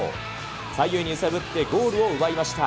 左右に揺さぶってゴールを奪いました。